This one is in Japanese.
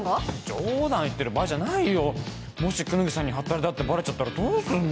冗談言ってる場合じゃないよもし功刀さんにハッタリだってバレちゃったらどうすんの？